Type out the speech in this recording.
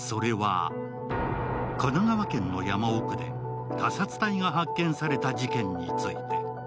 神奈川県の山奥で他殺体が発見された事件について。